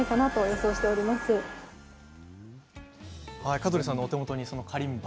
香取さんのお手元にそのカリンバ。